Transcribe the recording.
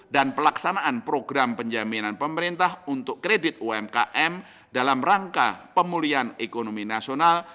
dan pelaksanaan program penjaminan pemerintah untuk kredit umkm dalam rangka pemulihan ekonomi nasional